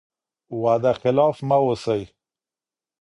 وعده خلاف مه اوسئ.